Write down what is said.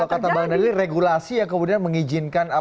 kalau kata bang dalil regulasi yang kemudian mengizinkan